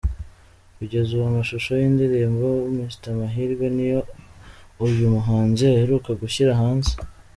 Kugeza ubu amashusho y’indirimbo ‘Mr Mahirwe’ niyo uyu muhanzi aheruka gushyira hanze.